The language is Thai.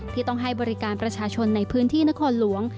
ที่ต้องให้บริการประชาชนในพื้นที่นครหลวง